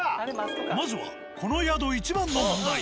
まずはこの宿いちばんの問題